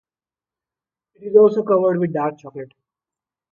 It is also covered with dark chocolate.